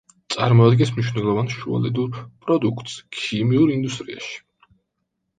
წარმოადგენს მნიშვნელოვან შუალედურ პროდუქტს ქიმიურ ინდუსტრიაში.